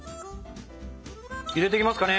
入れていきますかね。